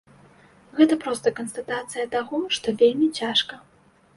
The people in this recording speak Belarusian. Гэта проста канстатацыя таго, што вельмі цяжка.